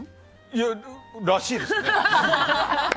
いやらしいですね。